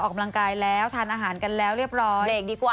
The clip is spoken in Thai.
ออกกำลังกายแล้วทานอาหารกันแล้วเรียบร้อย